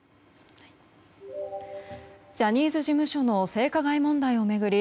ジャニーズ事務所の性加害問題を巡り